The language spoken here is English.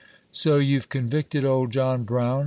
So you 've convicted old John Brown